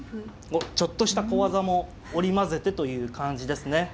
おっちょっとした小技も織り交ぜてという感じですね。